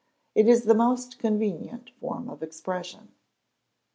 It is the most convenient form of expression.